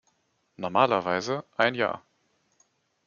Normalerweise ein Jahr.